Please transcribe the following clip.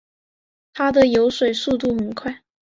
它们的游水速度很快。